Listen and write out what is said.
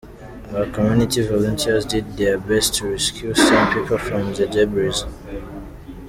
Our community volunteers did their best to rescue some people from the debris.